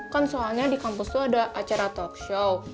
kan soalnya di kampus tuh ada acara talkshow